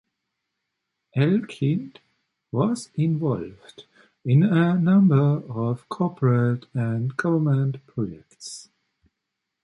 Elkind was involved in a number of corporate and government projects.